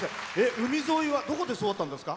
海沿いは、どこで育ったんですか。